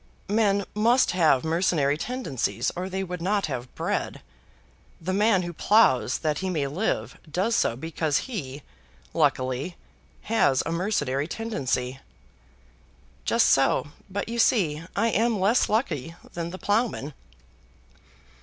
"Men must have mercenary tendencies or they would not have bread. The man who ploughs that he may live does so because he, luckily, has a mercenary tendency." "Just so. But you see I am less lucky than the ploughman."